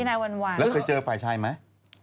นะเราเคยเจอฝ่ายชายไหม